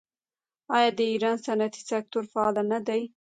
آیا د ایران صنعتي سکتور فعال نه دی؟